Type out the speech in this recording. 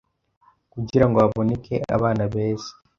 Kugira ngo haboneke abana beza